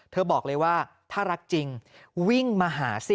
บอกเลยว่าถ้ารักจริงวิ่งมาหาสิ